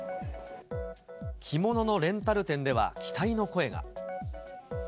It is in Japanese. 着物のレンタル店では期待の声が。